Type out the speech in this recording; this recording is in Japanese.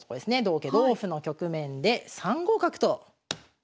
同桂同歩の局面で３五角と打った手。